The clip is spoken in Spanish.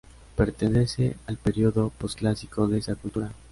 Pertenece al periodo posclásico de esa cultura.